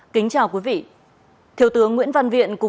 xin chào quý vị